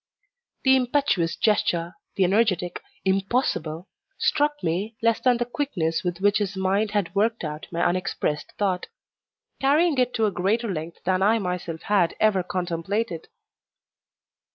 The impetuous gesture the energetic "impossible," struck me less than the quickness with which his mind had worked out my unexpressed thought carrying it to a greater length than I myself had ever contemplated.